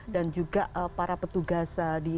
dan juga para petugas di